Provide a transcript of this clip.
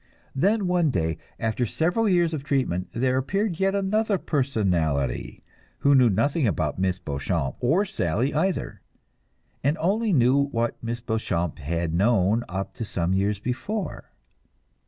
Then one day, after several years of treatment, there appeared yet another personality, who knew nothing about Miss Beauchamp or Sally either, and only knew what Miss Beauchamp had known up to some years before.